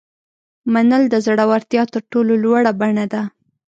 منل د زړورتیا تر ټولو لوړه بڼه ده.